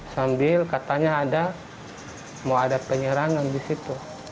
sambil katanya ada mau ada penyerangan disitu